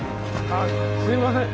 あのすみません。